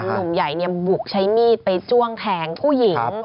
หนุ่มใหญ่บุกใช้มีดไปจ้วงแทงผู้หญิง